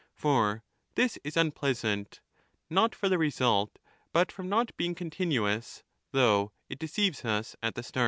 For this is unpleasant not^ for the result but from not being continuous, though it deceives us at the start.